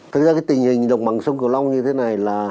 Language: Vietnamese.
thực ra cái tình hình đồng bằng sông cửu long như thế này là